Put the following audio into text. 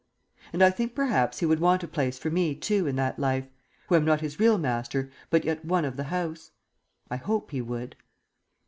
And I think perhaps he would want a place for me, too, in that life, who am not his real master but yet one of the house. I hope he would.